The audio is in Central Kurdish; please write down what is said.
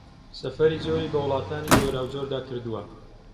سەفەری زۆری بە وڵاتانی جۆراوجۆردا کردووە